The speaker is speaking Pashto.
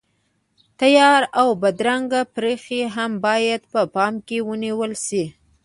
تیاره او بدرنګه برخې هم باید په پام کې ونیول شي.